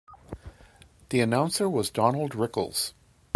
The announcer was Donald Rickles.